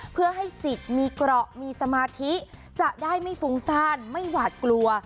เพื่อให้จิตมีเกราะมีสมาธิจะได้ไม่ฟุ้งซ่านไม่หวาดกลัว